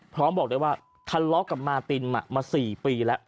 เพราะบอกเลยว่าคันล้อกับมาตินมาสี่ปีแล้ว